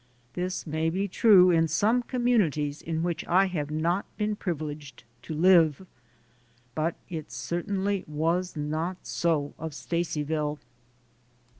This may be true in some communities in which I have not been privileged to live, but it certainly was not so of Stacyville.